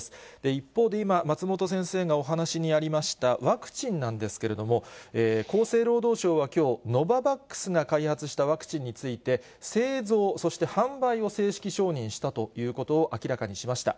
一方で今、松本先生がお話にありました、ワクチンなんですけれども、厚生労働省はきょう、ノババックスが開発したワクチンについて、製造、そして販売を正式承認したということを明らかにしました。